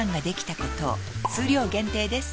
数量限定です